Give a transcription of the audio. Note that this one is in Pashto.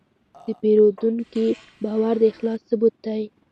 د پیرودونکي باور د اخلاص ثبوت دی.